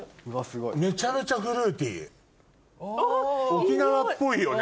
沖縄っぽいよね。